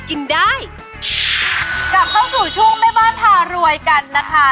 กินได้กลับเข้าสู่ช่วงแม่บ้านพารวยกันนะคะ